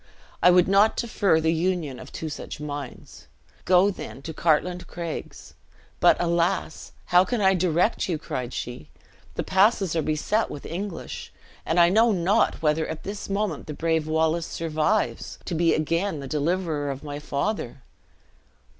"I would not defer the union of two such minds. Go, then, to the Cartlane Craigs. But, alas! how can I direct you?" cried she. "The passes are beset with English; and I know not whether at this moment the brave Wallace survives, to be again the deliverer of my father!"